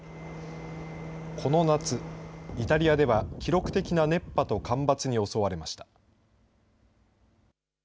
この夏、イタリアでは記録的な熱波と干ばつに襲われました。